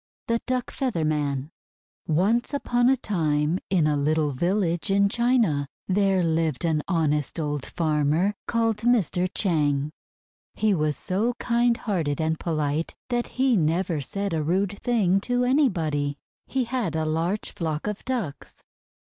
THE DUCK FEATHER MAN Chinese Tale ONCE upon a time, in a little village in China, there lived an honest old farmer called Mr. Chang. He was so kind hearted and polite that he never said a rude thing to anybody. He had a large flock of Ducks.